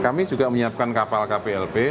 kami juga menyiapkan kapal kplb